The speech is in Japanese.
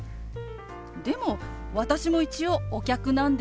でも私も一応お客なんですけど。